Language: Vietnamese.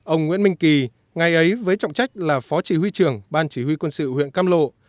ông nguyễn minh kỳ ngày ấy với trọng trách là phó chỉ huy trưởng ban chỉ huy quân sự huyện cam lộ